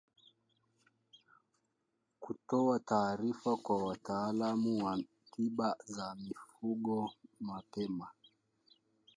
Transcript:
Kutoa taarifa kwa wataalamu wa tiba za mifugo mapema